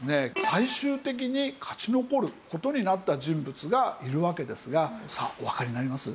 最終的に勝ち残る事になった人物がいるわけですがさあおわかりになります？